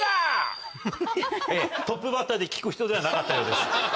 ええトップバッターで聞く人ではなかったようです。